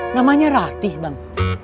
namanya ratih bang